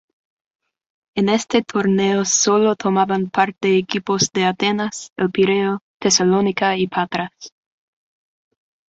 En este torneo sólo tomaban parte equipos de Atenas, El Pireo, Tesalónica y Patras.